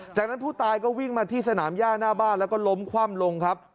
จากนั้นผู้ตายก็วิ่งมาที่สนามย่าหน้าบ้านแล้วก็ล้มคว่ำลงครับ